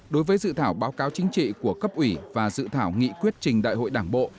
đối với dự thảo báo cáo chính trị của cấp ủy và dự thảo nghị quyết trình đại hội đảng bộ